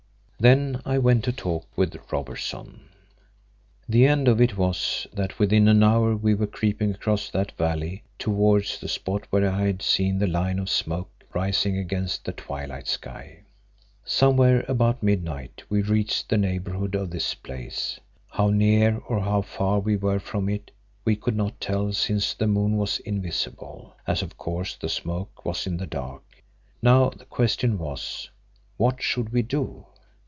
Then I went to talk with Robertson. The end of it was that within an hour we were creeping across that valley towards the spot where I had seen the line of smoke rising against the twilight sky. Somewhere about midnight we reached the neighbourhood of this place. How near or how far we were from it, we could not tell since the moon was invisible, as of course the smoke was in the dark. Now the question was, what should we do?